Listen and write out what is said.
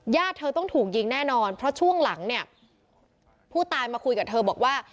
เธอต้องถูกยิงแน่นอนเพราะช่วงหลังเนี่ยผู้ตายมาคุยกับเธอบอกว่า